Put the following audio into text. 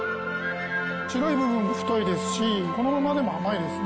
白い部分も太いですしこのままでも甘いですね。